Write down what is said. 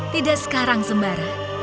tidak sekarang sembara